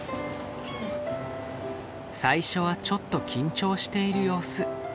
最初はちょっと緊張している様子。